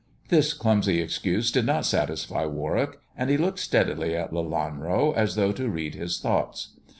This clumsy excuse did not satisfy Warwick, and he looked steadily at Lelanro as though to read his thoughts.